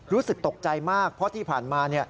รู้สึกตกใจมากเพราะที่ผ่านมา